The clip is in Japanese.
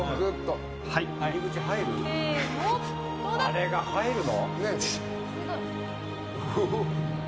あれが入るの？